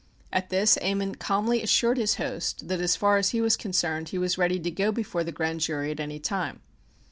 At this Ammon calmly assured his host that as far as he was concerned he was ready to go before the grand jury at any time.